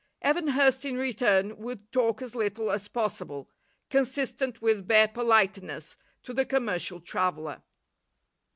Evan Hurst, in return, would talk as little as possible, consistent with bare politeness, to the commercial traveller.